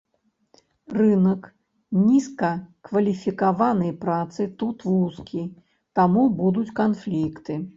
Рынак нізкакваліфікаванай працы тут вузкі, таму будуць канфлікты.